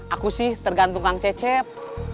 aku sih tergantung kang cecep